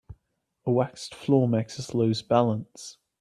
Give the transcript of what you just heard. A waxed floor makes us lose balance.